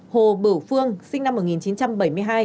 hồ bửu phương sinh năm một nghìn chín trăm bảy mươi hai